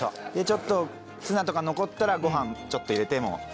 ちょっとツナとか残ったらご飯ちょっと入れても。